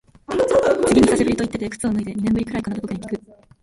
次に久しぶりと言ってて靴を脱いで、二年ぶりくらいかなと僕にきく。